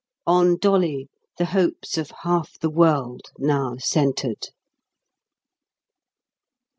On Dolly the hopes of half the world now centred.